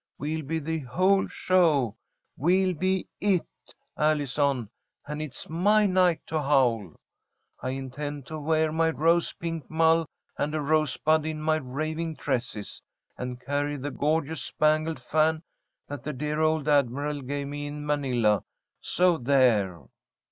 We'll be the whole show. We'll be it, Allison, and 'it's my night to howl.' I intend to wear my rose pink mull and a rosebud in my raving tresses, and carry the gorgeous spangled fan that the dear old admiral gave me in Manila. So there!"